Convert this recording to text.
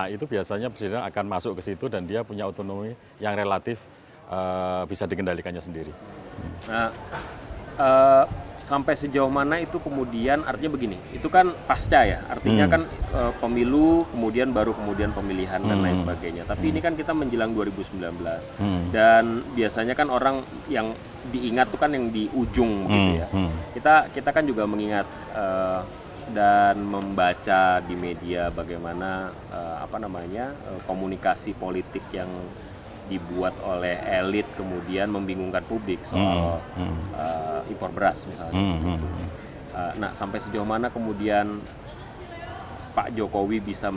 itu selama dolarnya masih bersahabat ya kalau dolar yang gak bersahabat